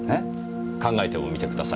考えてもみてください。